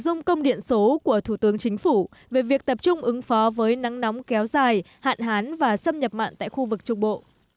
tố của thủ tướng chính phủ về việc tập trung ứng phó với nắng nóng kéo dài hạn hán và xâm nhập mạng tại khu vực trung bộ